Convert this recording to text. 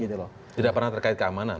tidak pernah terkait keamanan